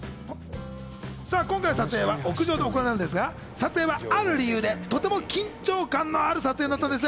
今回の撮影は屋上で行われたのですが、撮影はある理由でとても緊張感のある撮影になったんです。